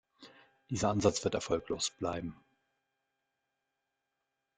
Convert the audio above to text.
Dieser Ansatz wird erfolglos bleiben.